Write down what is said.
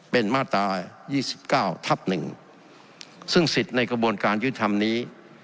เป็นมาตรายี่สิบเก้าทับหนึ่งซึ่งสิทธิในกระบวนการยืดธรรมนี้